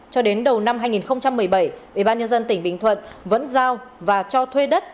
cho đến đầu năm hai nghìn một mươi bảy ubnd tỉnh bình thuận vẫn giao và cho thuê đất